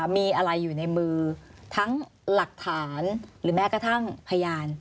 มีอะไรอยู่ในมือทั้งหลักฐานหรือแม้กระทั่งพยาน